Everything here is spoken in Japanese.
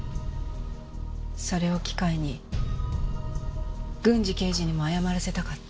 それを機会に郡侍刑事にも謝らせたかった。